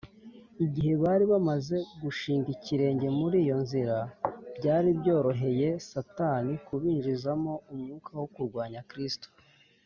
igihe bari bamaze gushinga ikirenge muri iyo nzira, byari byoroheye satani kubinjizamo umwuka wo kurwanya kristo